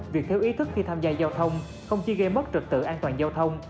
việc thiếu ý thức khi tham gia giao thông không chỉ gây mất trật tựa an toàn giao thông